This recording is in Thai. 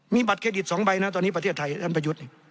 มีบัตรเครดิต๒ใบนะตอนนี้ประเทศไทยท่านประยุทธ์